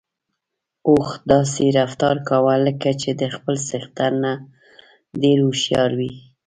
اوښ داسې رفتار کاوه لکه چې د خپل څښتن نه ډېر هوښيار وي.